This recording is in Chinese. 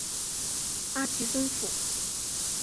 阿奇森府。